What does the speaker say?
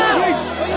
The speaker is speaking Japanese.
はい！